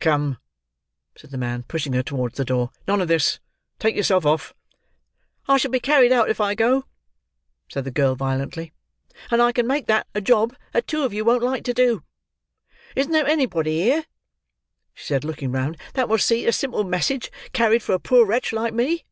"Come!" said the man, pushing her towards the door. "None of this. Take yourself off." "I shall be carried out if I go!" said the girl violently; "and I can make that a job that two of you won't like to do. Isn't there anybody here," she said, looking round, "that will see a simple message carried for a poor wretch like me?"